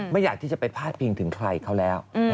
อยากที่จะไปพาดพิงถึงใครเขาแล้ว